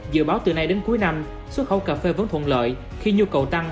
dự báo từ nay đến cuối năm xuất khẩu cà phê vẫn thuận lợi khi nhu cầu tăng